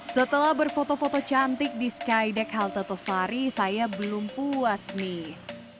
setelah berfoto foto cantik di skydeck halte tosari saya belum puas nih